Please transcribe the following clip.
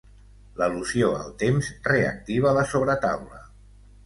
L'al·lusió al temps reactiva la sobretaula.